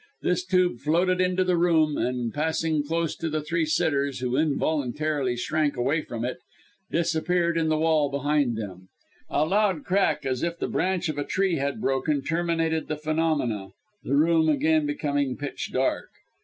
This tube floated into the room, and passing close to the three sitters, who involuntarily shrank away from it, disappeared in the wall, behind them. A loud crack as if the branch of a tree had broken, terminated the phenomena the room again becoming pitch dark.